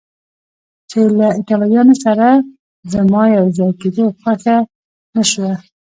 چې له ایټالویانو سره زما په یو ځای کېدو خوښه نه شوه.